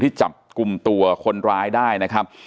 จับกลุ่มตัวคนร้ายได้นะครับ